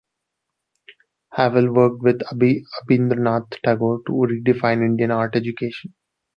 Havell worked with Abanindranath Tagore to redefine Indian art education.